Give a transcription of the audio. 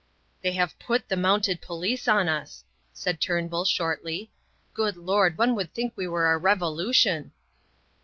"They have put the mounted police on us," said Turnbull, shortly. "Good Lord, one would think we were a Revolution."